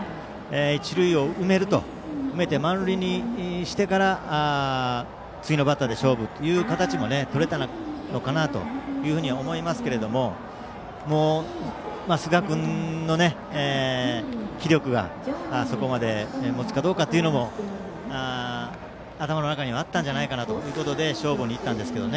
一塁を埋めて満塁にしてから次のバッターで勝負の形もとれたのかなと思いますが寿賀君の気力がそこまで持つかどうかも頭の中にはあったんじゃないかなということで勝負にいったんですけど。